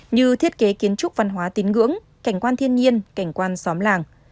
như thiết kế kiến trúc văn hóa tín ngưỡng cảnh quan thiên nhiên cảnh quan xóm làng